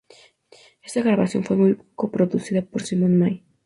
Esta grabación fue coproducida por Simon May.